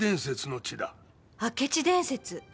明智伝説。